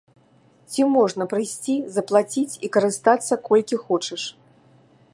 Ці можна прыйсці, заплаціць і карыстацца, колькі хочаш?